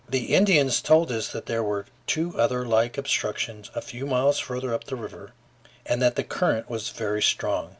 The Indians told us that there were two other like obstructions a few miles farther up the river, and that the current was very strong.